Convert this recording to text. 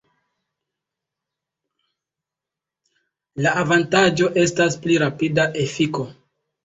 La avantaĝo estas pli rapida efiko.